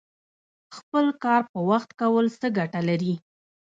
خپل کار په وخت کول څه ګټه لري؟